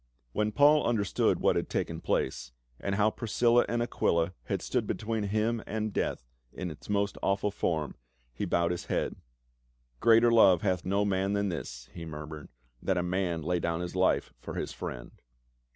When Paul understood what had taken place, and how Priscilla and Aquila had stood between him and death in its most awful form,* he bowed his head. " Greater love hath no man than this," he murmured, ^'that a man lay down his life for his friend."